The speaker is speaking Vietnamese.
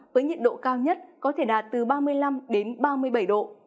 với nhiệt độ cao nhất có thể đạt từ ba mươi năm đến ba mươi bảy độ